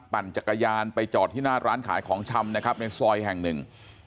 ปั่นจักรยานไปจอดที่หน้าร้านขายของชำนะครับในซอยแห่งหนึ่ง